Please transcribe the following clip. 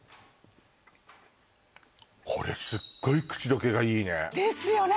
これすっごい口溶けがいいねですよね